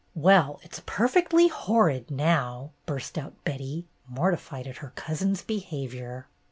"Well, it 's perfectly horrid now 1" burst out Betty, mortified at her cousin's behavior.